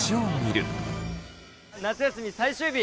夏休み最終日！